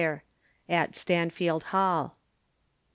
AT STANFIELD HALL.